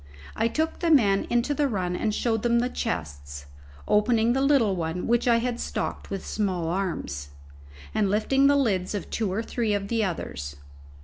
I took the men into the run and showed them the chests, opening the little one which I had stocked with small arms, and lifting the lids of two or three of the others.